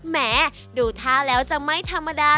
แม้ดูท่าแล้วจะไม่ธรรมดา